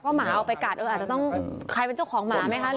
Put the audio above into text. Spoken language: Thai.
หมาเอาไปกัดเอออาจจะต้องใครเป็นเจ้าของหมาไหมคะ